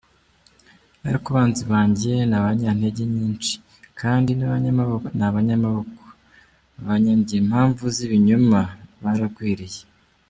Ariko abanzi banjye ni abanyantege nyinshi, Kandi ni abanyamaboko, Abanyangira impamvu z’ibinyoma baragwiriye.